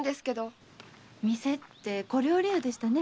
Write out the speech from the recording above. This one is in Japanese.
店って小料理屋でしたね？